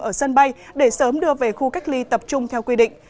ở sân bay để sớm đưa về khu cách ly tập trung theo quy định